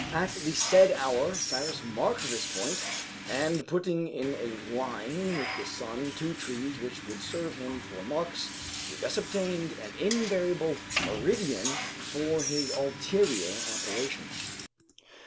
At the said hour, Cyrus marked this point, and putting in a line with the sun two trees which would serve him for marks, he thus obtained an invariable meridian for his ulterior operations.